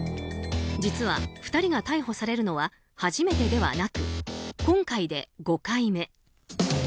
実は、２人が逮捕されるのは初めてではなく今回で５回目。